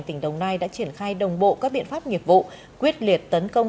tỉnh đồng nai đã triển khai đồng bộ các biện pháp nghiệp vụ quyết liệt tấn công